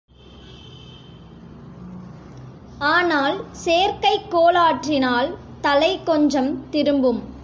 ஆனால் சேர்க்கைக் கோளாற்றினால் தலை கொஞ்சம் திரும்பும்.